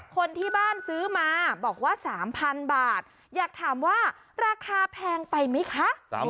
คนที่บ้านซื้อมาบอกว่า๓๐๐๐บาทอยากถามว่าราคาแพงไปไหมคะ